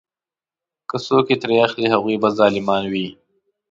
که څوک یې ترې اخلي هغوی به ظالمان وي.